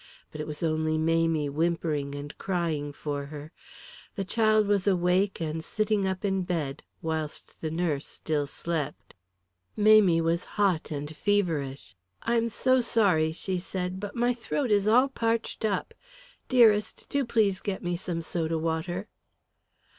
But it was only Mamie whimpering and crying for her. The child was awake and sitting up in bed, whilst the nurse still slept. Mamie was hot and feverish. "I am so sorry," she said, "but my throat is all parched up. Dearest, do please get me some soda water."